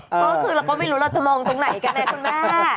ก็คือเราก็ไม่รู้เราจะมองตรงไหนกันนะคุณแม่